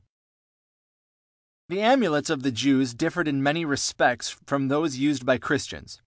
] The amulets of the Jews differed in many respects from those used by Christians.